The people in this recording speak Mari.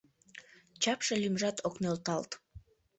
Чапше, лӱмжат ок нӧлталт